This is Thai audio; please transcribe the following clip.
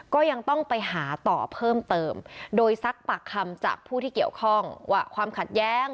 ก็ยังต้องไปหาต่อเพิ่มเติมโดยซักปากคำจากผู้ที่เกี่ยวข้องว่าความขัดแย้ง